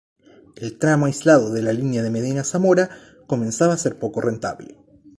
El tramo aislado de la línea de Medina-Zamora comenzaba a ser poco rentable.